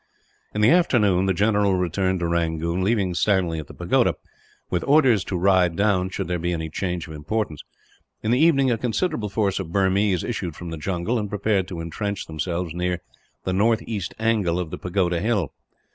In the afternoon the general returned to Rangoon, leaving Stanley at the pagoda, with orders to ride down should there be any change of importance. In the evening a considerable force of Burmese issued from the jungle, and prepared to entrench themselves near the northeast angle of the pagoda hill.